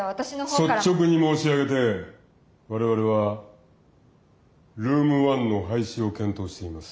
率直に申し上げて我々はルーム１の廃止を検討しています。